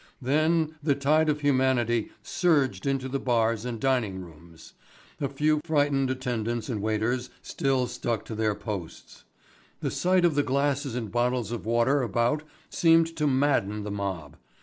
Then the tide of humanity surged into the bars and dining rooms. A few frightened attendants and waiters still stuck to their posts. The sight of the glasses and bottles of water about seemed to madden the mob.